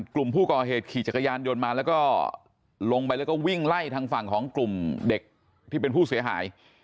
กลุ่มผู้ก่อเหตุขี่จักรยานยนต์มาแล้วก็ลงไปแล้วก็วิ่งไล่ทางฝั่งของกลุ่มเด็กที่เป็นผู้เสียหาย